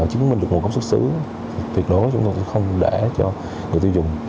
chứng minh được nguồn cấp xuất xứ tuyệt đối chúng tôi sẽ không để cho người tiêu dùng